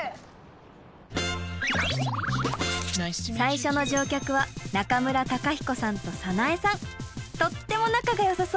最初の乗客はとっても仲がよさそうなお二人。